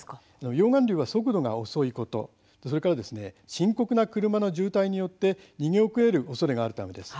溶岩流は速度が遅いことそれから深刻な車の渋滞によって逃げ遅れることを防ぐためです。